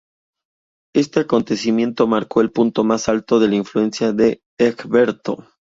Este acontecimiento marcó el punto más alto de la influencia de Egberto.